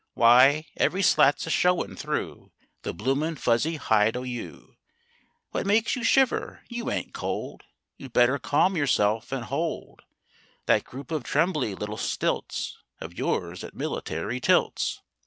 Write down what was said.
Wye, every slat's a showin' through The bloomin' fuzzy hide o' you. What makes you shiver? You ain't cold! You'd better calm yourself and hold That group of trembly little stilts Of yours at military tilts!